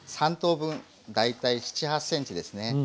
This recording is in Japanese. ３等分大体７８ｃｍですね